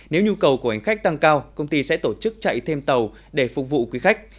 nếu nhu cầu của hành khách tăng cao công ty sẽ tổ chức chạy thêm tàu để phục vụ quý khách